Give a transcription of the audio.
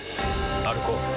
歩こう。